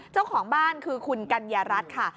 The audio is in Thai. เจ้าของบ้านคือคุณกัญญารัฐค่ะ